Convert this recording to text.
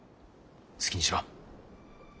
好きにしろ。